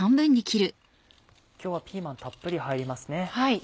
今日はピーマンたっぷり入りますね。